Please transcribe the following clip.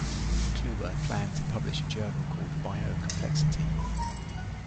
Kluwer planned to publish a journal called "Biocomplexity".